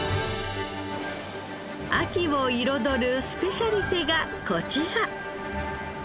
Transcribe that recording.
秋を彩るスペシャリテがこちら。